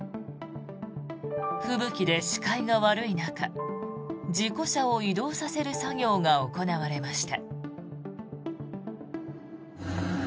吹雪で視界が悪い中事故車を移動させる作業が行われました。